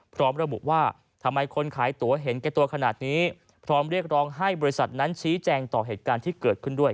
พร้อมระบุว่าทำไมคนขายตัวเห็นแก่ตัวขนาดนี้พร้อมเรียกร้องให้บริษัทนั้นชี้แจงต่อเหตุการณ์ที่เกิดขึ้นด้วย